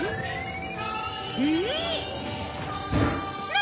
何？